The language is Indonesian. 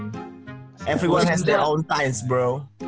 semuanya punya waktu sendiri bro